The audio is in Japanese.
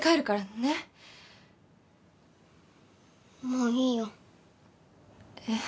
もういいよ。えっ？